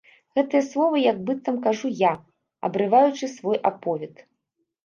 Гэтыя словы як быццам кажу я, абрываючы свой аповед.